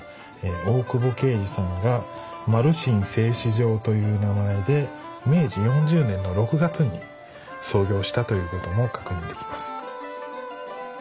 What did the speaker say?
大久保敬次さんがという名前で明治４０年の６月に創業したということも確認できます。